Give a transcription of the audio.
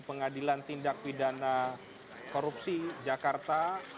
pengadilan tindak pidana korupsi jakarta